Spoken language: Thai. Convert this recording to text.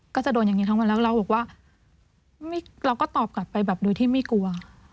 ก็จะโดนอย่างนี้ทั้งวันแล้วเราบอกว่าเราก็ตอบกลับไปแบบโดยที่ไม่กลัว